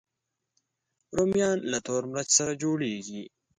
رومیان له تور مرچ سره جوړېږي